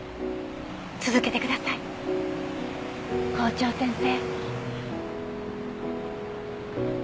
続けてください校長先生。